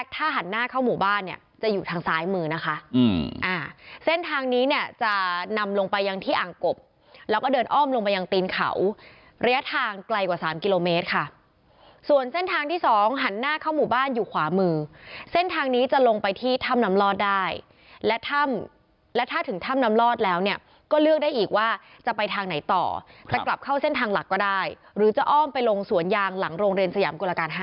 ทางที่อ่างกบแล้วก็เดินอ้อมลงไปยังตีนเขาระยะทางไกลกว่าสามกิโลเมตรค่ะส่วนเส้นทางที่สองหันหน้าเข้าหมู่บ้านอยู่ขวามือเส้นทางนี้จะลงไปที่ถ้ำน้ำลอดได้และถ้าถึงถ้ำน้ำลอดแล้วเนี่ยก็เลือกได้อีกว่าจะไปทางไหนต่อแต่กลับเข้าเส้นทางหลักก็ได้หรือจะอ้อมไปลงสวนยางหลังโรงเรนสยามกุรก